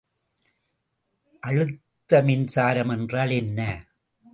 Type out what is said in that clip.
அழுத்தமின்சாரம் என்றால் என்ன?